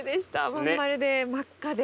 真ん丸で真っ赤で。